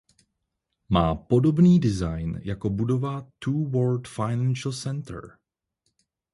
Má podobný design jako budova Two World Financial Center.